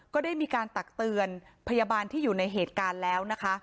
ก็ได้มีการตักเตือนพยาบาลที่อยู่ในเหตุการณ์แล้วนะคะ